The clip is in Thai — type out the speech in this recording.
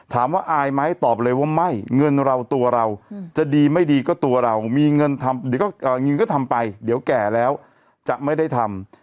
อายไหมตอบเลยว่าไม่เงินเราตัวเราจะดีไม่ดีก็ตัวเรามีเงินทำเงินก็ทำไปเดี๋ยวแก่แล้วจะไม่ได้ทำ